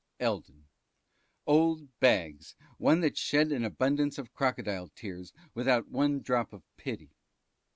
Eldon. Old Bags, one that shed an abundance of crocodile tears without one drop of pity.